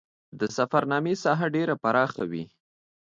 د سفرنامې ساحه ډېره پراخه وه.